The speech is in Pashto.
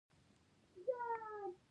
روان شو.